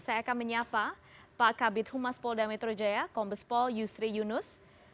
saya akan menyapa pak kabit humas polda metro jaya kombespol yusri yunus